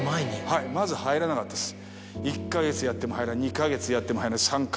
はいまず入らなかったです。